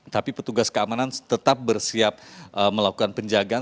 tapi petugas keamanan tetap bersiap melakukan penjagaan